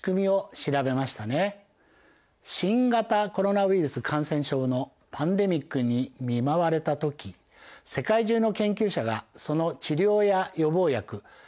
新型コロナウイルス感染症のパンデミックに見舞われた時世界中の研究者がその治療や予防薬ワクチンの開発に取り組みました。